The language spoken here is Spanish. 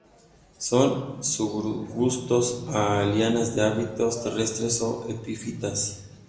Son subarbustos o lianas de hábitos terrestres o epífitas.